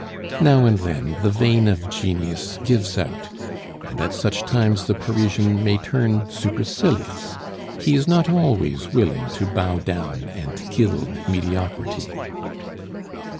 Now and then the vein of genius gives out, and at such times the Parisian may turn supercilious; he is not always willing to bow down and gild mediocrity.